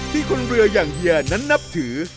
ที่คนเรืออย่างเฮียนั้นนับถือ